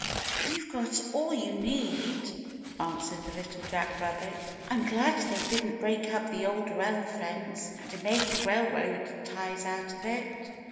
"You've got all you need," answered Little Jack Rabbit. "I'm glad they didn't break up the Old Rail Fence and make railroad ties out of it."